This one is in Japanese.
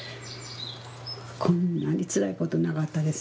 こんなにつらいことなかったです